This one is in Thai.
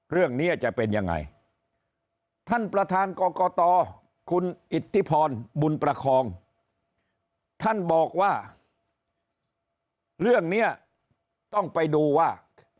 เรื่องนี้จะเป็นยังไงท่านประธานกรกตคุณอิทธิพรบุญประคองท่านบอกว่าเรื่องนี้ต้องไปดูว่า